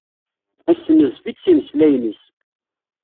Yessenzef-itt s yimeslayen-is.